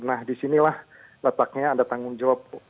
nah disinilah letaknya ada tanggung jawab